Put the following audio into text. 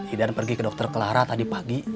hidan pergi ke dokter clara tadi pagi